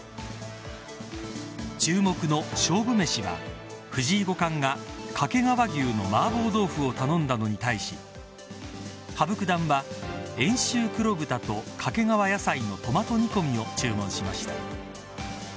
注目の勝負飯は藤井五冠が掛川牛の麻婆豆腐を頼んだのに対し羽生九段は遠州黒豚と掛川野菜のトマト煮込みを注文しました。